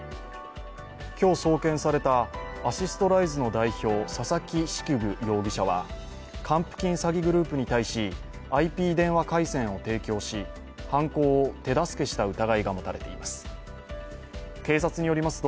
今日、送検されたアシストライズの代表・佐々木式部容疑者は還付金詐欺グループに対し、ＩＰ電話回線を提供し、犯行を手助けした疑いが持たれています。